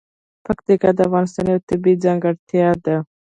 پکتیا د افغانستان یوه طبیعي ځانګړتیا ده.